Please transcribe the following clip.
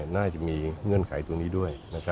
น่าจะมีเงื่อนไขตัวนี้ด้วย